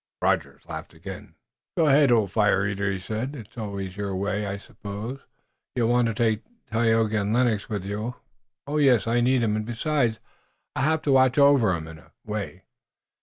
Rogers laughed again. "Go ahead, old fire eater," he said. "It was always your way. I suppose you'll want to take Tayoga and Lennox with you." "Oh, yes, I need 'em, and besides, I have to watch over 'em, in a way."